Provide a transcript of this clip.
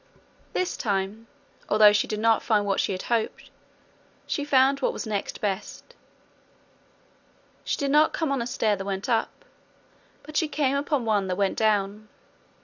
This time, although she did not find what she hoped, she found what was next best: she did not come on a stair that went up, but she came upon one that went down.